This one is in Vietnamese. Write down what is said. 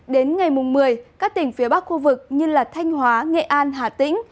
đến ngày một mươi các tỉnh phía bắc khu vực như thanh hóa nghệ an hà tĩnh